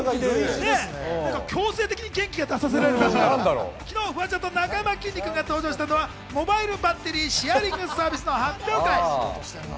強制的に元気が出させられるという昨日、フワちゃんとなかやまきんに君が登場したのはモバイルバッテリーシェアリングサービスの発表会。